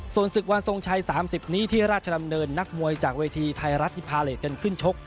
ส่วนศึกวันทรงชัย๓๐นี้ที่ราชดำเนินนักมวยจากเวทีไทยรัฐที่พาเลสกันขึ้นชก